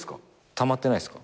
たまってないっすか？